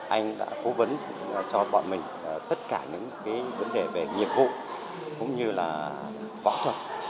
anh đã cố vấn cho bọn mình tất cả những vấn đề về nghiệp vụ cũng như là võ thuật